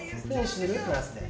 プラスで。